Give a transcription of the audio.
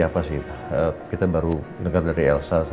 anak anak kan di rumah